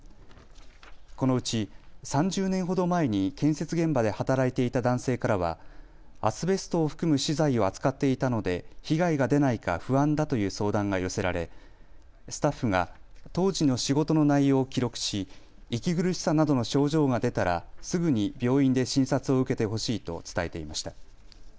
このうち３０年ほど前に建設現場で働いていた男性からはアスベストを含む資材を扱っていたので被害が出ないか不安だという相談が寄せられスタッフが当時の仕事の内容を記録し息苦しさなどの症状が出たらすぐに病院で診察を受けてほしいと伝えていました。